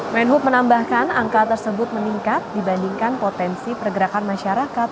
menhub menambahkan angka tersebut meningkat dibandingkan potensi pergerakan masyarakat